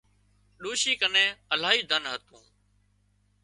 ڏوشي ڪنين الاهي ڌن هتون